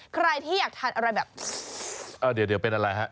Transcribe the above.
ใครที่อยากทานอะไรแบบอ่าเดี๋ยวเป็นอะไรฮะ